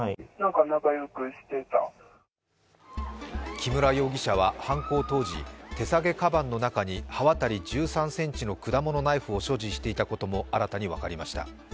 木村容疑者は犯行当時、手提げかばんの中に刃渡り１３ｃｍの果物ナイフを所持していたことも新たに分かりました。